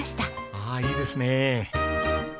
ああいいですねえ。